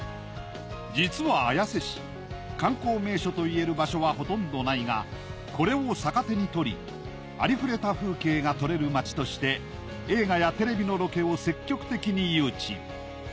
実は綾瀬市観光名所と言える場所はほとんどないがこれを逆手に取りありふれた風景が撮れる街として映画やテレビのロケを積極的に誘致。